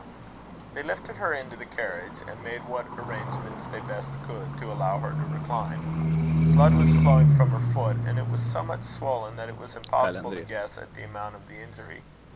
They lifted her into the carriage, and made what arrangements they best could to allow her to recline. Blood was flowing from her foot; and it was so much swollen that it was impossible to guess at the amount of the injury.